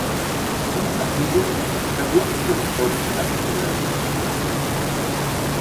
Como castigo, perdió sus territorios y la tutela de sus hermanos.